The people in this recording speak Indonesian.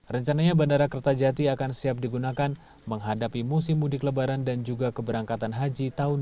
rencananya bandara kertajati akan siap digunakan menghadapi musim mudik lebaran dan juga keberangkatan haji tahun dua ribu dua puluh